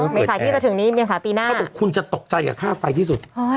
เมษาที่จะถึงนี้เมษาปีหน้าเขาบอกคุณจะตกใจกับค่าไฟที่สุด